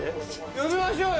「呼びましょうよ！」